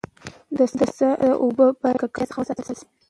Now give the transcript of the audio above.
د څاه اوبه باید له ککړتیا څخه وساتل سي.